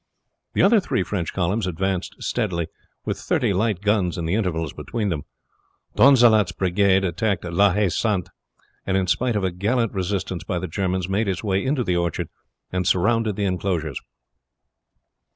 The other three French columns advanced steadily, with thirty light guns in the intervals between them. Donzelat's brigade attacked La Haye Sainte, and, in spite of a gallant resistance by the Germans, made its way into the orchard and surrounded the inclosures.